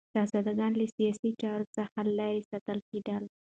شهزادګان له سیاسي چارو څخه لیرې ساتل کېدل.